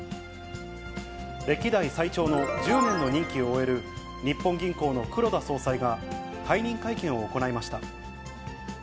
歴代最長の１０年の任期を終える日本銀行の黒田総裁が、退任会見を行いました。